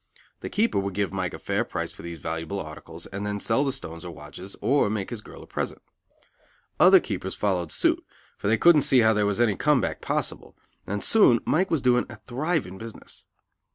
The keeper would give Mike a fair price for these valuable articles and then sell the stones or watches, or make his girl a present. Other keepers followed suit, for they couldn't see how there was any "come back" possible, and soon Mike was doing a thriving business.